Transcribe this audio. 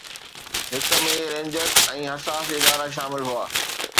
هڪ ۾ رينجرز ۽ حساس ادارا شامل هئا